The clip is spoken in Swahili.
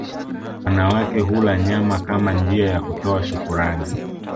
Wanawake hula nyama kama njia ya kutoa shukurani